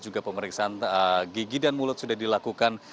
juga pemeriksaan gigi dan mulut sudah dilakukan